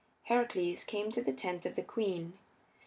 Heracles came to the tent of the queen.